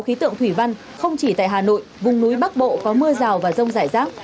khí tượng thủy văn không chỉ tại hà nội vùng núi bắc bộ có mưa rào và rông rải rác